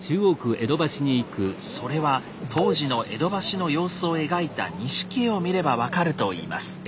それは当時の江戸橋の様子を描いた錦絵を見れば分かるといいます。